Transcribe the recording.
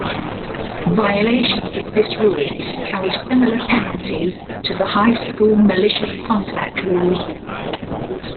Violations of this rule carry similar penalties to the high school malicious contact rule.